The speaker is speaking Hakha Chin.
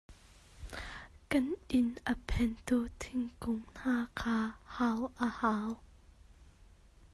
Kan inn a phengtu thingkung hna kha hau an hau.